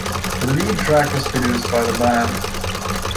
The lead track was produced by the band.